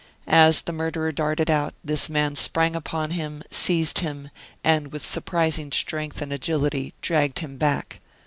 As the murderer darted out, this man sprang upon him, seized him, and with surprising strength and agility dragged him back.